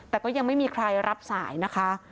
แต่ก็ยังไม่มีใครรับสายนะคะ